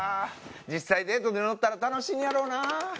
実際デートで乗ったら楽しいんやろなぁ。